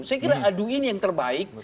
saya kira adu ini yang terbaik